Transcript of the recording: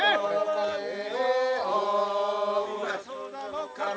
ada pula warga yang menyuguhkan moke